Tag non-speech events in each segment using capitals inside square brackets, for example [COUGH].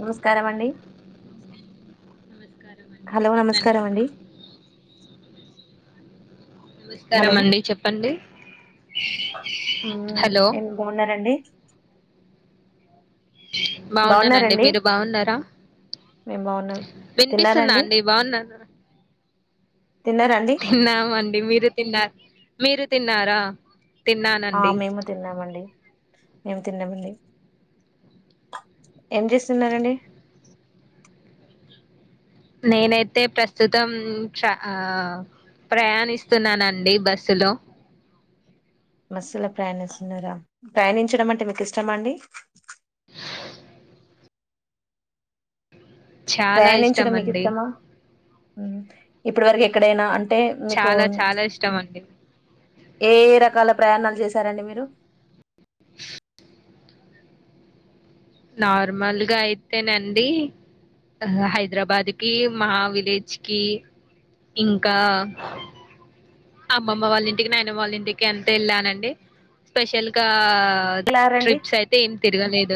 నమస్కారం అండి హలో చెప్పండి నమస్కారం అండి నమస్కారం అండి చెప్పండి అ హలో ఎం బావున్నారాండి బావున్నానండి బాగున్నారండి మీరు బావున్నారా మేము బాగున్నాం వినిపిస్తుందా తిన్నారండి అండి బావున్నారా తిన్నారండి తిన్నామండి మీరు తిన్నా మీరు తిన్నారా ఆ తిన్నానండి మేము తిన్నామండి మేము తిన్నామండి ఏం చేస్తున్నారండి నేనైతే ప్రస్తుతం చా ఆ ప్రయాణిస్తున్నానండి బస్సులో బస్సులులో ప్రయాణిస్తున్నారా ప్రయాణించడం అంటే మీకు ఇష్టమ అండి చాలా ఇష్టం ప్రయాణించడం మీకు అండి ఇస్తామా ఉమ్ ఇప్పటి వరకు ఎక్కడైనా అం అంటే మీకు చాలా చాలా ఇష్టం అండి ఎ ఎ రకాల ప్రయాణాలు చేశారండి మీరు నార్మల్గా అయితేనండి హ హైదరాబాద్ కి మా విలేజ్ కి ఇంకా అమ్మమ్మ వాళ్ళ ఇంటికి నాయినమ్మ వాళ్ళ ఇంటికి అంతే ఎళ్ళానండి స్పెషల్ గా ఆహ్ ఎలారండి ట్రిప్స్ అయితే ఏం తిరగలేద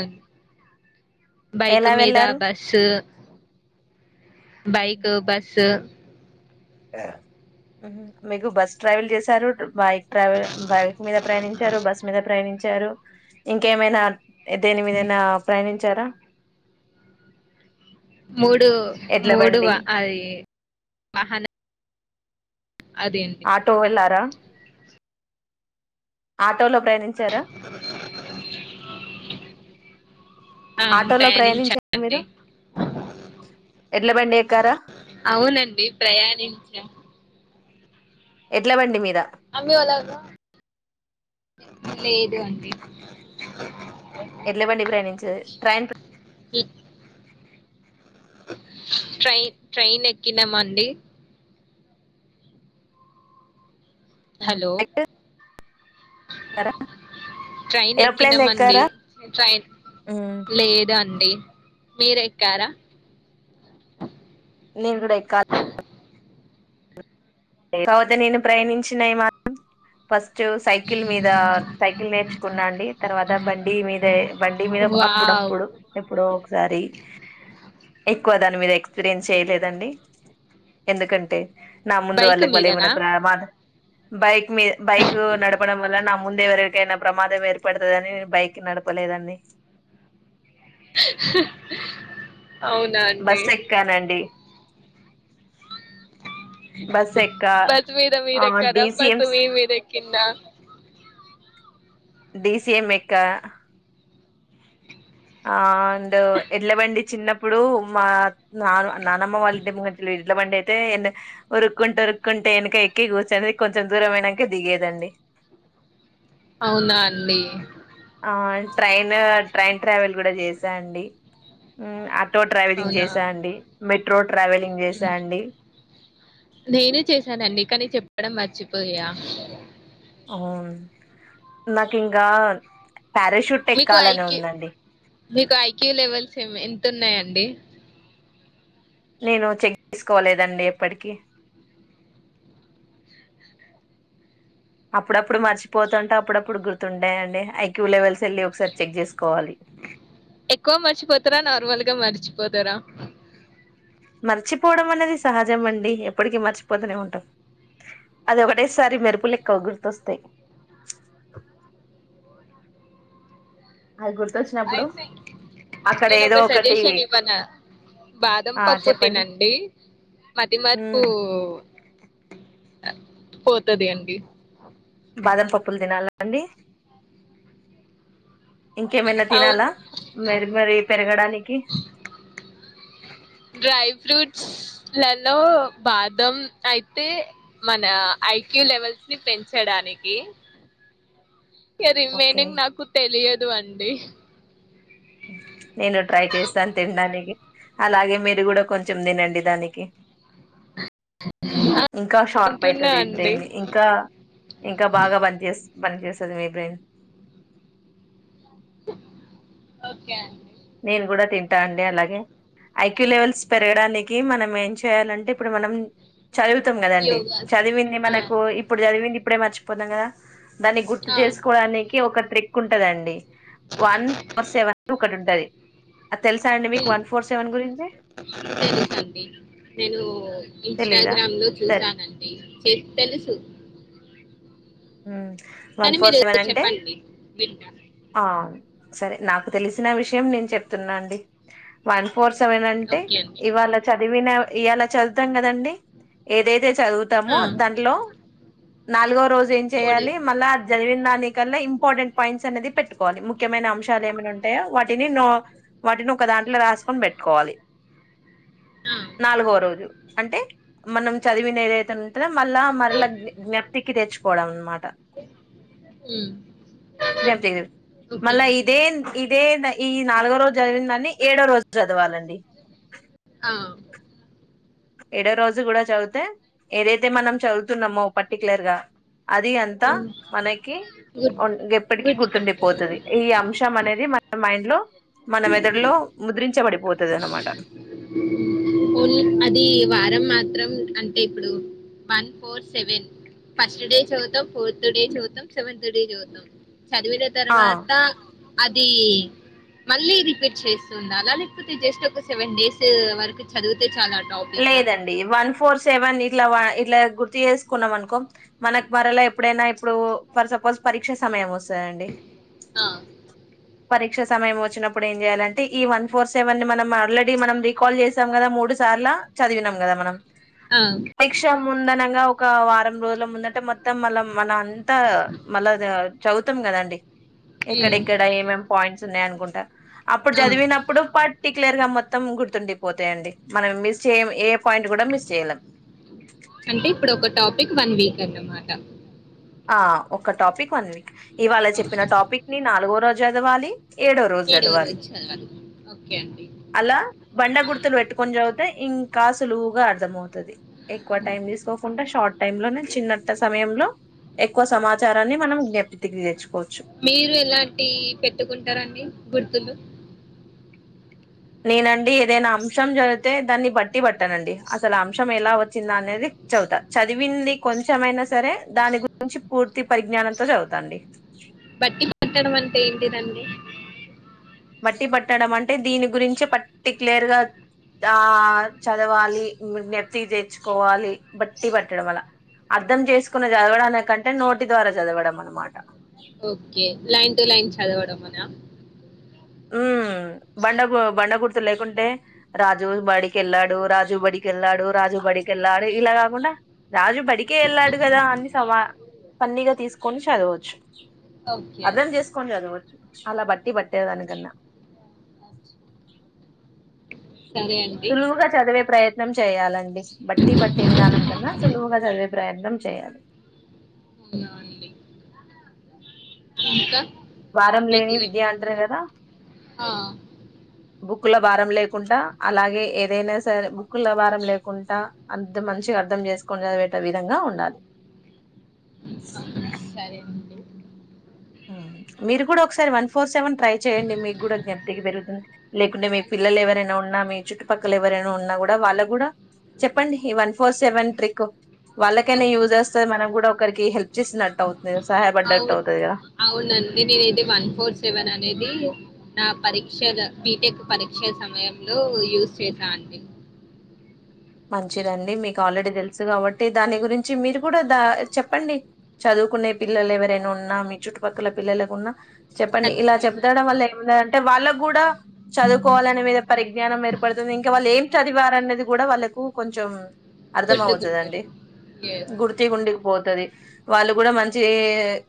బైక్ ఎలా మీద వెళ్ళారు బస్సు బైక్ ఉహు. బస్సు మీకు బస్ ట్రావెల్ చేశారు బై ట్రావెల్ బైక్ మీద ప్రయాణించారు బస్ మీద ప్రయాణించారు ఇంకేమైనా ఏదైనా మీదైనా ప్రయాణించారా మూడు ఎడ్ల మూడు బండి అది అహన ఆటో వెల్లరా ఆటోలో ప్రయాణించారా ఆ ఆటోలో ప్రయాణించారా మీరు ప్రయానించానండి ఎడ్ల బండి ఎక్కారా అవునండి ప్రయాణించా ఎడ్ల బండి మీ అమ్మి వ అలాగా లేదు అండి ఎడ్ల బండి ప్రయాణించ ట్రైన్ కి ట్రైన్ ట్రైన్ ఎక్కినం అండి అ హలో అయితే కర ట్రైన్ ఎక్కినామండి ట్రైన్ మ్మ్. లేదఅం డి మీరు ఎక్కరా నేను కూడా ఏక్కాలి కాకపోతే నేను ప్రయాణించినాయి మా ఫస్ట్ సైకిల్ మీద సైకిల్ నేర్చు కున్నాండి తర్వాత బండి మీద బండి మీద వావ్ అప్పుడప్పుడు ఎపుడూడో ఒకసారి ఎక్కువ దాని మీద ఎక్స్పీరియన్స్ చేయలేదండి ఎందుకంటే బైక్ దువల్ల మళ్ళ మీదనా ఎమన్నా ప్రమాదం బైక్ మీద బైక్ నార్పడం వల్ల నా ముందే ఎవరికీ ప్రమాదం ఏర్పడుతుందని బైక్ నడపలేదండి అవునా అండి బస్ ఎక్కానండి బస్ ఎక్క బస్ మీద ఆ మీరేకార డిసిఎం బస్ మీ మీద ఏక్ కింద డి సి యమ్ ఎక్క ఆ అండ్ ఎడ్లబండి చిన్నప్పుడు మా నాన్ నానమ్మ వాళ్ళంటి ముంగట్లే ఎడ్లబండి అయితే ఎ ఉరుకుంటూ ఉరుకుంటూ ఎనక ఎక్కి కూర్చొని కొంచెం దూరం పోయినంక దిగేదండి అవున అండి ఆ ట్రైను ట్రైన్ ట్రావెల్ కూడా చేసా అండి హ్మ్ అ ట్రో ట్రావెలింగ్ అవునా చేసాండి మెట్రో ట్రావెలింగ్ చేసా అండి నేనే చేశానండి కనీ చెప్ క్కడం మర్చిపోయా అవు నాక్ ఇంగా మీకు ఐక్యూ మీకు ఐక్యూ లెవెల్స్ ఆహ్ ఎంత ఉన్నాయిండి నేను చెక్ చెస్కోలేదండి ఎప్పటికి అప్పుడప్పుడు మర్చిపోతాంటా అప్పుడప్పుడు గుర్తుంటాయి అండి ఐక్యూ లెవెల్స్ ఎలి ఒకసారి చెక్ చేసుకోవాలి ఎక్కువ మర్చిపోతరా నార్మల్గ మర్చిపోతర మర్చిపోవడం అనేది సహజం అండి ఎప్పటికి మర్చిపోతనే ఉంటాం అది ఒకటేసారి మెరుపులు లెక్క గుర్తొస్తయి అది గుర్తొచ్చినప్పుడు అయితే అక్కడ నేను ఏదో ఒక ఒకటి సజెషన్ ఇవ్వన ఆ బాదాంపపు చెప్పండి తినండి మతిమర్పూ ఉమ్ పోతది అండి బాదంపప్పులు తినాలా అండి ఇంకేమైనా తినాల అవును మరి మరి పెరగడానికి డ్రై ఫ్రూట్ లలో బాదం అయితే మన ఐక్యూ లెవెల్స్ ని పెంచడాని నీకి ఇగ ఓకే రిమైనింగ్ నాకు తెలియదు అండి నేను ట్రై చేస్తను తినడానికి అలాగే మీరు కూడా కొంచెం దినండి దానికి ఇంకా షార్ప్ అంటున్నా అయితది అండి బ్రెయిన్ ఇంకా ఇంకా బాగా బండ్చెస్ బంజేసెద్ మీదే ఒకే ఆన్ నేను కూడ తింటా అండి అలాగే ఐక్యూ లెవెల్స్ పెరగడానికి మనం ఏం చేయాలంటే ఇప్పుడు మనం చదువుతాం కదండి యోగా చదివింది ఆ మనకు ఇప్పుడు చదివింది ఇప్పుడే మర్చిపోతం కదా దాన్ని గుర్తు ఆ చేసుకోవడానికి ఒక ట్రిక్ ఉంటదండి వన్ ఫోర్ సెవెన్ ఒకటి ఉంటది అది తెలుసా అండి [UNINTELLIGIBLE] మీకు వన్ ఫోర్ సెవెన్ గురించి నేను ఊ తెలీదా ఇంస్టాగ్రామ్ లో సరే చూసానండి తె తెలుసు హ్మ్ వన్ కానీ ఫోర్ మీరు సెవెన్ అంటే చెప్పండి వింటా ఆహ్ సరే నాకు తెలిసిన విషయం నేను చెప్తున అండి వన్ ఫోర్ సెవెన్ అంటే ఓకే అండి ఇవాళ చదివిన ఇయాల చదువుతాం కదండి ఏదైతే ఆ, చదుతము దాంట్లో నాలుగో రోజు ఏం చేయాలి కోడేశ్వర్ మళ్ళ జదివిన దానీ కన్న ఇంపార్టెంట్ పాయింట్స్ అనేది పెట్టుకోవాలి ముఖ్యమైన అంశాలు ఏమైనా ఉంటాయా వాటిని నో వాటిని ఒక దాంట్లో రాసుకొని బెట్కోవాలి ఆ, నాలుగో రోజు అంటే మనం చదివినఏదైతే ఉంటదో మల మరల జ్ఞప్తికి తెచ్చుకోవడం అనమాట ఉమ్, [UNINTELLIGIBLE] ఓకే మళ్ళ అండి ఇదేంద్ ఇ ఇదే ఈ నాలుగో రోజు చదివిందన్ని ఏడో రోజు చదవాలండి ఆ ఎడో రోజు కూడా చదివితే ఏదైతే మనం చదువుతున్నామో పర్టికులర్ గ అది అంతా ఆ. మనకి గుర్తు ఎప్పటికీ గుర్తుపట్టు గుర్తుండిపోతది ఈ అంశం అనేది మన మైండ్ లో మనం ఎదడలో ముద్రించబడిపోతది అన్నమాట ఓన్లీ అది వారం మాత్రం అంటే ఇప్పుడు one four seven first day చదువుతాం ఫోర్త్ డే చదువుతాం సెవెంత డే చదువుతాం చదివిన ఆ తర్వాత అది మళ్ళీ రిపీట్ చేస్తూ ఉండాలా లేకపోతే జస్ట్ ఒక సెవెన్ డేస్ వరకు చదువు లేదండి వన్ ఫోర్ సెవెన్ ఇట్లా వ ఇట్లా గుర్తు చేసుకున్నాం అనుకో మనకు మరలా ఎప్పుడైనా ఇప్పుడు ఫర్ సపోజ్ పరీక్ష సమయం వస్త ద అండి ఆ పరీక్ష సమయం వచ్చినప్పుడు ఏం చేయాలంటే ఈ వన్ ఫోర్ సెవెన్ ని మనం ఆల్రెడీ మనం రీకాల్ చేసాం కదా మూడు సార్ల చదివినాం కదా మనం ఆ, రీక్ష ముందనంగా ఒక వారం రోజుల ముందంట మొత్తం మళ్ళ మన అంతా మళ్ళ చదువుతాం కదండి ఉమ్, ఎక్కడెక్కడ ఏమేం పాయింట్స్ ఉన్నాయ అనుకుంటా అప్పుడు ఆ. చదివినప్పుడు పాట్ పర్టిక్యలర్ గా మొత్తం గుర్తుండిపోతాయండి మనం మిస్ చేయ ఏ పాయింట్ కూడా మిస్ చేయలేం అంటే ఇప్పుడు ఒక టాపిక్ వన్ వీక్ అనమాట ఆ ఒక టాపిక్ వన్ వీక్ ఇవాళ చెప్పిన ఓకే టాపిక్ ని నాలుగో రోజు చదవాలి ఏడో రోజు ఏడవ చదవాలి రోజు చదవాలి ఓకే అండి అలా బండ గుర్తులు పెట్టుకొని చదివితే ఇంకా సులువుగా అర్థ అవుతుది ఎక్కువ టైం తీసుకోకుండా షార్ట్ టైం లోనే చిన్నత సమయంలో ఎక్కువ సమాచారాన్ని మనం జ్ఞాప్తికి తెచ్చుం మీరు ఎలాంటియి పెట్టుకుంటారండి గుర్తులు నేనండి ఏదైనా అంశం జదివితే దాన్ని బట్టి బట్టనండి అసలు అంశం ఎలా వచ్చిందా అనేది చదువుతా చదివింది కొంచెమైనా సరే దాని గురించి పూర్తి పరిజ్ఞానంతో చదువుతాండి బట్టి పట్టడం అంటే ఏంటిదండి బట్టి పట్టడం అంటే దీని గురించి పర్టిక్లేర్ గా దా ఆ చదవాలి జ్ఞప్తి తెచ్చుకోవాలి బట్టి పట్టడం అలా అర్ధం చేసుకుని చదవడాల కంటే నోటి ద్వారా చదవడం అనమాట ఓకే లైన్ టు లైన్ చదవడం అల ఉమ్ బండ బండ గుర్తు లేకుంటే రాజు బడికెళ్ళాడు రాజు బడికెళ్ళాడు రాజు బడికెళ్ళాడు ఇలా కాకుండా రాజు బడికే ఎళ్ళాడు కదా అని సమా ఫన్నీ గా తీసుకొని చదువచ్చు ఓకే అర్థం అండి. చేసుకొని చదువచ్చు అలా బట్టి బట్టే దాని కన్న సరే అండి. సులువుగా చదివే ప్రయత్నం చేయాలండి బట్టి పట్టి విధానం కన్నా సులువుగా చదివే ప్రయత్నం చేయాలి అవునా అండి. ఇంకా బారం లేని మీకు విద్యా అంటారు కదా ఆ! బుక్కుల భారం లేకుంట అలాగే ఏదైనా సరే బూకుల భారం లేకుంట అంత మంచిగా అర్థం చేసుకొని చదివెట్ట విధంగా ఉండాలి సరే అండి. ఉమ్ మీరు కూడా ఒకసారి వన్ ఫోర్ సెవెన్ ట్రై చేయండి మీకు కూడా జ్ఞప్తికి పెరుగుతుంది లేకుంటే మీ పిల్లలు ఎవరైనా ఉన్నా మీ చుట్టుపక్కల ఎవరైనా ఉన్నా కూడా వాళ్ళకు కూడా చెప్పండి ఈ వన్ ఫోర్ సెవెన్ ట్రిక్ వాళ్ళకైనా ఓకే. యూజ్ అస్త మనం కూడా ఒకరికి హెల్ప్ చేసినట్టు అవుతది సహాయపడ్డట్టు అవు అవుతది కదా అవునండి నేను ఇది వన్ ఫోర్ సెవెన్ అనేది నా పరీక్ష బీటెక్ పరీక్ష సమయంలో యూజ్ చేశా అండి మంచిదండి మీకు ఆల్రెడీ తెలుసు కాబట్టి దాని గురించి మీరు కూడా ద చెప్పండి చదువు చదువుకునే పిల్లలు ఎవరైనా ఉన్నా మీ చుట్టుపక్కల పిల్లలకు ఉన్నా చెప్పండి ఇలా ఖచ్చితంగా. చెప్తాడం వల్ల ఎ ఉన్నదంటే వాళ్ళకు గూడా చదువుకోవాలనే మీద పరిజ్ఞానం ఏర్పడుతుంది ఇంక వాళ్ళు ఏం చదివారనేది గూడా వాళ్ళ కూ కొంచెం అర్ధం అవుతదండి గుర్తుకుంటది. యెస్. గుర్తి గుర్తిగి ఉండిపో తది వాళ్ళు గూడా మంచి ఎ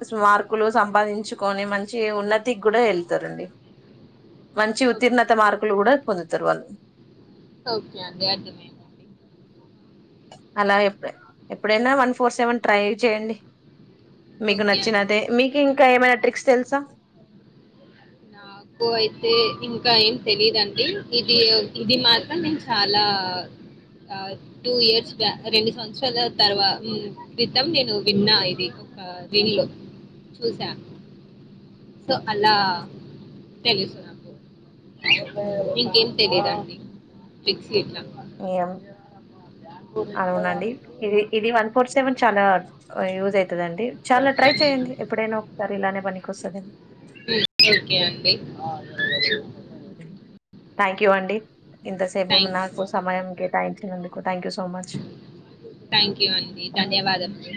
స్మార్కులు సంపాదించుకొని మంచి ఉన్నతికి గూడా ఎ ఐతారండి మంచి ఓకే. ఉత్తీర్ణత మార్కులు గూడా పొందుతరు వాళ్ళు ఓకే అండి అర్థమైంది అలా ఎప్పుడె ఎప్పుడైనా వన్ ఫోర్ సెవెన్ ట్రై చేయండి మీకు ఓకే అండి. నచ్చినతే మీకు ఇంకా ఏమైనా ట్రిక్స్ తెలుసా నాకు అయితే ఇంకా ఏం తెలీదండి ఇది ఇది మాత్రం నేను చాలా ఆ టూ ఇయర్స్ బ రెండు సంవత్సరాల తర్వా మ్ క్రిత్తం నేను విన్నా ఇది ఆ విన్లొ చూసా సొ అలా తెలుసు నాకు నికేం తెలియదండి ట్రిక్స్ ఇట్లా. ఎమో అలావునండి ఇది ఇది వన్ ఫోర్ సెవెన్ చాలా యూజ్ అయితదండి చాలా ట్రై చెయండి ఎప్పుడైనా ఒకసారి ఇలానే పనికి వస్తది హ్మ్ ఓకే అండి థ్యాంక్ యూ అండి ఇంతసేపు థ్యాంక్ యూ. నాకు సమయం కేటాయించినందుకు thank you so much thank you అండి ధన్యవాదములు